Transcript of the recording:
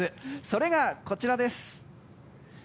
それが、こちらです。